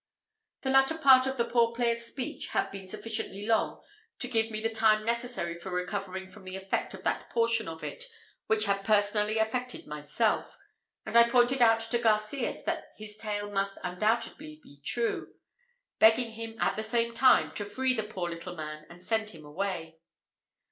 The latter part of the poor player's speech had been sufficiently long to give me the time necessary for recovering from the effect of that portion of it which had personally affected myself, and I pointed out to Garcias that his tale must undoubtedly be true, begging him at the same time, to free the poor little man and send him away.